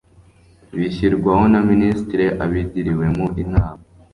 bishyirwaho na minisitiri abigiriwemo inama